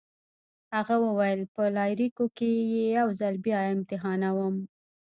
هغه وویل: په لایریکو کي يې یو ځل بیا امتحانوم.